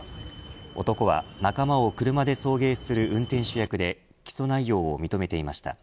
男は仲間を車で送迎する運転手役で起訴内容を認めていました。